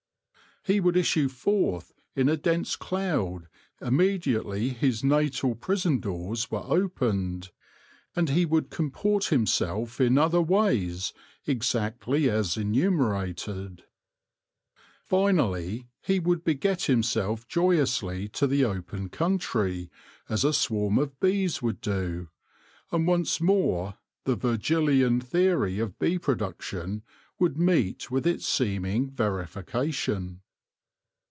He would issue forth in a dense cloud im mediately his natal prison doors were opened, and he would comport himself in other ways exactly as enumerated . Finally, he would beget himself j oyously to the open country, as a swarm of bees would do ; and once more the Virgilian theory of bee production would meet with its seeming verification.